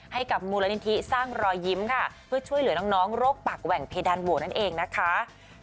ให้กับมูลนิธิสร้างรอยยิ้มค่ะเพื่อช่วยเหลือน้องโรคปากแหว่งเพดานโหวตนั่นเองนะคะ